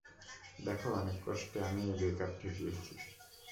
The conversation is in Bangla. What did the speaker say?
দেখ অনেক কষ্টে আমি এই ব্রেকআপ ঠেকিয়েছি।